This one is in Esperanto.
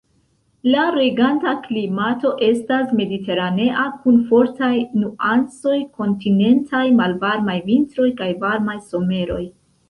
La reganta klimato estas mediteranea kun fortaj nuancoj kontinentaj; malvarmaj vintroj kaj varmaj someroj.